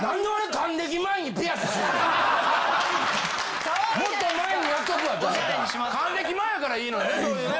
還暦前やからいいのよね